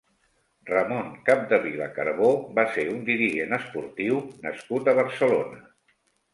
Ramon Capdevila Carbó va ser un dirigent esportiu nascut a Barcelona.